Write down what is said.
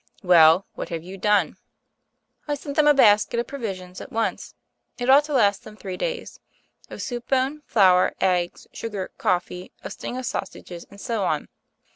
Well, what have you done ?" "I sent them a basket of provisions at once. It ought to last them three days — a soup bone, flour, eggs, sugar, coffee, a string of sausages, and so on.